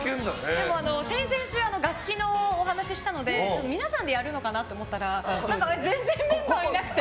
先々週、楽器のお話をしたので皆さんでやるのかなと思ったら全然、メンバーいなくて。